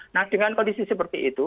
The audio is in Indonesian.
nah dengan kondisi seperti itu